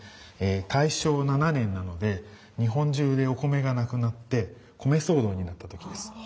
大正７年なので日本中でお米がなくなって米騒動になった時です。